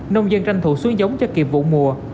nông dân tranh thủ xuống giống cho kịp vụ mùa